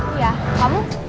aku gak bisa berhenti jadi copet